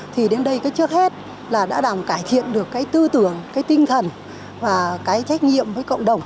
thì đến đây cái trước hết là đã làm cải thiện được cái tư tưởng cái tinh thần và cái trách nhiệm với cộng đồng